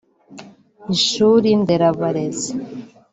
Ishuri nderabarezi